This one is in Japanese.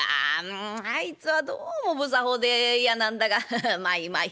うんあいつはどうも不作法で嫌なんだがまあいいまあいい。